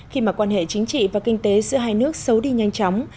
khi mà quan hệ chính trị và kinh tế giữa hai nước xấu đi nhanh chóng